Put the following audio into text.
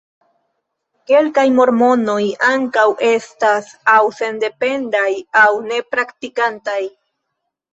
Kelkaj mormonoj ankaŭ estas aŭ sendependaj aŭ ne-praktikantaj.